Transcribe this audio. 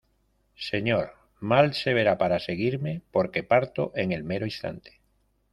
señor, mal se verá para seguirme , porque parto en el mero instante.